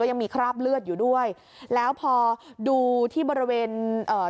ยังมีคราบเลือดอยู่ด้วยแล้วพอดูที่บริเวณเอ่อ